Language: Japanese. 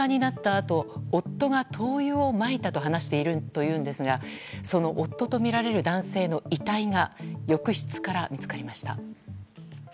あと夫が灯油をまいたと話しているというんですがその夫とみられる男性の遺体が浴室から見つかりました。